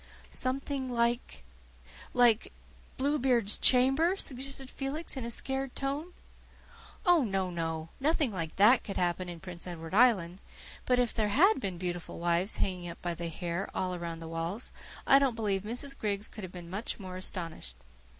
"Something like like Bluebeard's chamber?" suggested Felix in a scared tone. "Oh, no, NO! Nothing like THAT could happen in Prince Edward Island. But if there HAD been beautiful wives hanging up by their hair all round the walls I don't believe Mrs. Griggs could have been much more astonished.